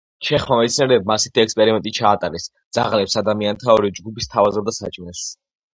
ჩეხმა მეცნიერებმა ასეთი ექსპერიმენტი ჩაატარეს: ძაღლებს ადამიანთა ორი ჯგუფი სთავაზობდა საჭმელს.